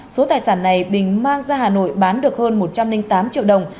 số tài sản này bình mang ra hà nội bán được hơn một trăm linh tám triệu đồng